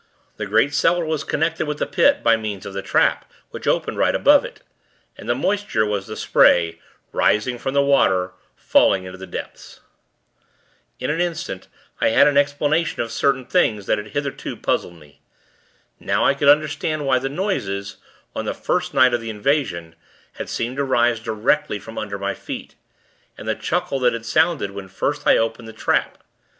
The great cellar was connected with the Pit, by means of the trap, which opened right above it; and the moisture, was the spray, rising from the water, falling into the depths. In an instant, I had an explanation of certain things, that had hitherto puzzled me. Now, I could understand why the noises on the first night of the invasion had seemed to rise directly from under my feet. And the chuckle that had sounded when first I opened the trap!